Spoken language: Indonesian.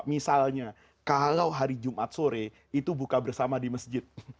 misalnya kalau hari jumat sore itu buka bersama di masjid